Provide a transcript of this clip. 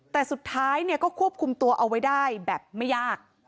แต่สุดท้ายเนี่ยก็ควบคุมตัวเอาไว้ได้แบบไม่ยาก